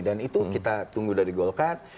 dan itu kita tunggu dari golkar